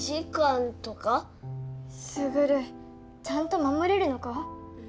スグルちゃんと守れるのか？